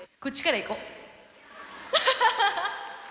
こっちから行こ。